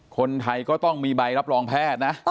คนไทยก็ต้องมีใบรับรองแพทย์นะ